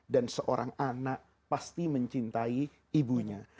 dan seorang anak pasti mencintai ibunya